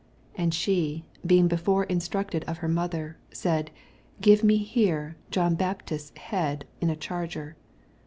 8 And she, being before instracted of her mother, said. Give me here John Baptises head in a charger.